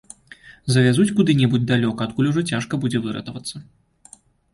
Завязуць куды-небудзь далёка, адкуль ужо цяжка будзе выратавацца.